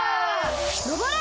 のぼれ！